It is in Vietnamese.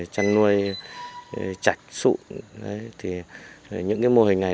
cây chạch sụn thì những cái mô hình này